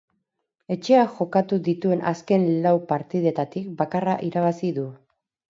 Etxean jokatu dituen azken lau partidetatik bakarra irabazi du.